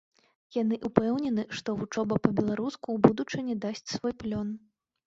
Яны ўпэўнены, што вучоба па-беларуску ў будучыні дасць свой плён.